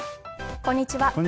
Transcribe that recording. こんにちは。